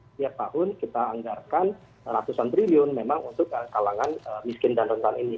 setiap tahun kita anggarkan ratusan triliun memang untuk kalangan miskin dan rentan ini